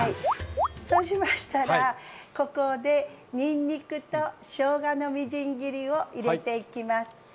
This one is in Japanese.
そうしましたらここでにんにくとしょうがのみじん切りを入れていきます。